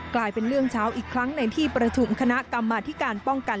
กลายเป็นเรื่องเช้าอีกครั้งในที่ประชุมคณะกรรมาธิการป้องกัน